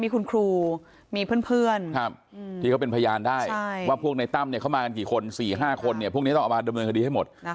มีคุณครูมีเพื่อนที่เขาเป็นพยานได้ว่าพวกในตั้มเขามากันกี่คน๔๕คนพวกนี้ต้องเอามาดำเนินคดีให้หมด